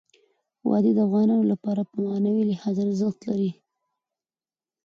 وادي د افغانانو لپاره په معنوي لحاظ ارزښت لري.